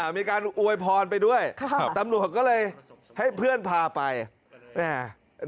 มีการอวยพรไปด้วยครับตำรวจก็เลยให้เพื่อนพาไปแม่